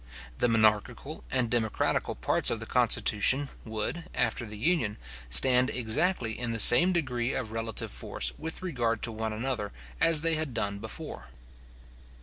The monarchical and democratical parts of the constitution would, after the union, stand exactly in the same degree of relative force with regard to one another as they had done before.